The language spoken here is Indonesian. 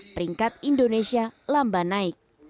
peringkat indonesia lamba naik